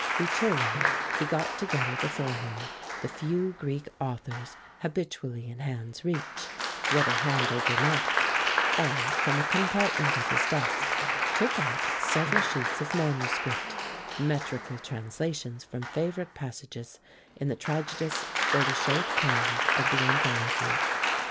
Returning, he got together before him the few Greek authors habitually in hand's reach, whether handled or not, and from a compartment of his desk took out several sheets of manuscript, metrical translations from favorite passages in the tragedists or the short poems of the Anthology.